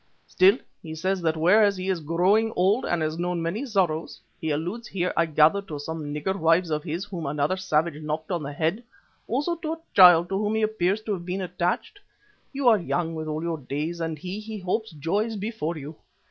Still, he says that whereas he is growing old and has known many sorrows he alludes here, I gather, to some nigger wives of his whom another savage knocked on the head; also to a child to whom he appears to have been attached you are young with all your days and, he hopes, joys, before you.